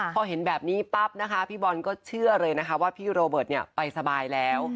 พอเห็นแบบนี้ปั๊บนะคะพี่บอลก็เชื่อเลยนะคะว่าพี่โรเบิร์ตไปสบายแล้ว